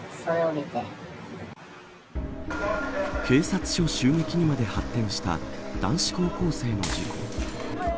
警察署襲撃にまで発展した男子高校生の事故。